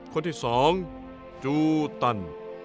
คนที่สองจูตัน